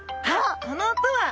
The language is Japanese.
この音は！